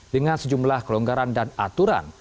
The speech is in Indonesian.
dengan sejumlah kelonggaran dan aturan